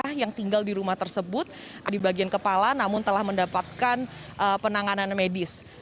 apakah yang tinggal di rumah tersebut di bagian kepala namun telah mendapatkan penanganan medis